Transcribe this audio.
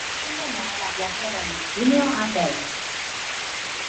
Vull anar a la plaça de l'Ictíneo a peu.